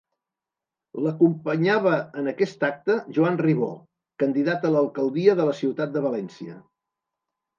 L'acompanyava en aquest acte Joan Ribó, candidat a l'alcaldia de la ciutat de València.